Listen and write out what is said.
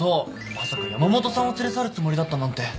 まさか山本さんを連れ去るつもりだったなんて。